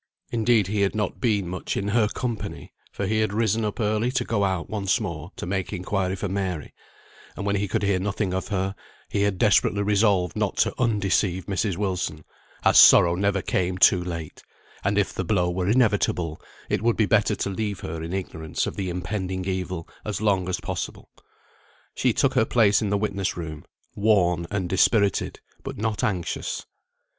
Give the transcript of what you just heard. Indeed he had not been much in her company, for he had risen up early to go out once more to make inquiry for Mary; and when he could hear nothing of her, he had desperately resolved not to undeceive Mrs. Wilson, as sorrow never came too late; and if the blow were inevitable, it would be better to leave her in ignorance of the impending evil as long as possible. She took her place in the witness room, worn and dispirited, but not anxious.